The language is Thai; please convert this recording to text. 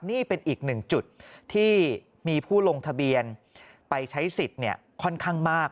นี่เป็นอีกหนึ่งจุดที่มีผู้ลงทะเบียนไปใช้สิทธิ์ค่อนข้างมาก